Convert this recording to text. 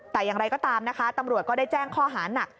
แต่อย่างไรก็ตามนะคะตำรวจก็ได้แจ้งข้อหานัก